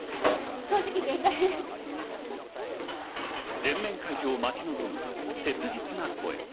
全面解除を待ち望む切実な声。